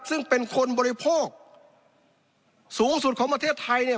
ซึ่งเป็นคนบริโภคสูงสุดของประเทศไทยเนี่ย